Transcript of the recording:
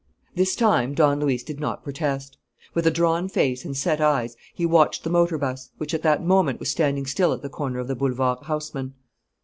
This time Don Luis did not protest. With a drawn face and set eyes he watched the motor bus, which at that moment was standing still at the corner of the Boulevard Haussmann.